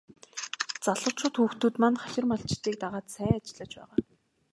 Залуучууд хүүхдүүд маань хашир малчдыг дагаад сайн ажиллаж байгаа.